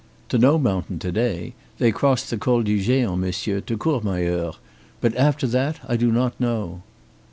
"To no mountain to day. They cross the Col du Géant, monsieur, to Courmayeur. But after that I do not know."